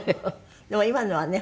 でも今のはね